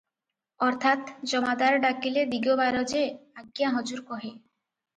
ଅର୍ଥାତ୍ ଜମାଦାର ଡାକିଲେ ଦିଗବାର ଯେ 'ଆଜ୍ଞା ହଜୁର' କହେ